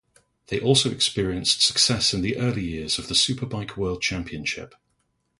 They also experienced success in the early years of the Superbike World Championship.